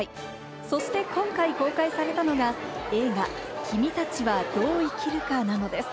そして今回、公開されたのが映画『君たちはどう生きるか』なのです。